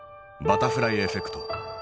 「バタフライエフェクト」。